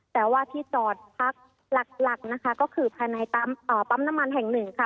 แต่ว่าที่จอดพักหลักนะคะก็คือภายในปั๊มน้ำมันแห่งหนึ่งค่ะ